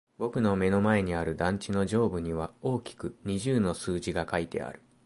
僕の目の前にある団地の上部には大きく二十の数字が書いてある。